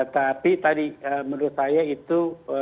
tapi tadi menurut saya itu